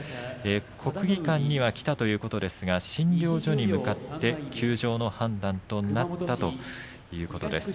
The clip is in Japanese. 国技館には来たということですが診療所に向かってその判断に従ったということです。